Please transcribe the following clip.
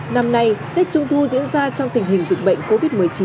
năm nay tết trung thu diễn ra trong tình hình dịch bệnh covid một mươi chín